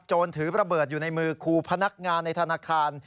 ถือระเบิดอยู่ในมือครูพนักงานในธนาคาร